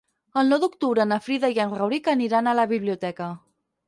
El nou d'octubre na Frida i en Rauric aniran a la biblioteca.